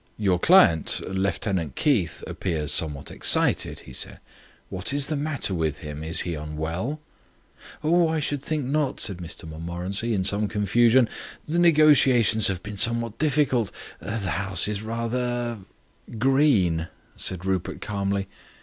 "Your client, Lieutenant Keith, appears somewhat excited," he said. "What is the matter with him? Is he unwell?" "Oh, I should think not," said Mr Montmorency, in some confusion. "The negotiations have been somewhat difficult the house is rather " "Green," said Rupert calmly.